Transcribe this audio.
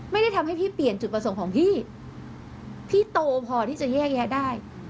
ไม่ได้ทำให้พี่เปลี่ยนจุดประสงค์ของพี่พี่โตพอที่จะแยกแยะได้